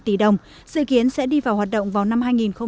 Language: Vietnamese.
bốn mươi tám tỷ đồng dự kiến sẽ đi vào hoạt động vào năm hai nghìn hai mươi sáu